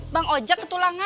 bang ojek ketulangan